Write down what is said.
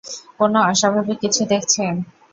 কোনও অস্বাভাবিক কিছু দেখছেন?